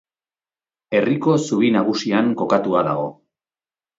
Herriko zubi nagusian kokatua dago.